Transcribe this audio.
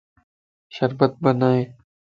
شربت بنائي